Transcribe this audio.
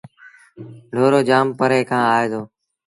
ڍورو جآم پري کآݩ آئي دو۔